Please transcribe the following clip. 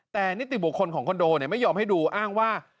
แต่นิติบุคคลของคอนโดไม่ยอมให้ดูอ้างว่า